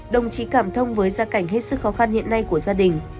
đồng chí cảm thông với gia cảnh hết sức khó khăn hiện nay của gia đình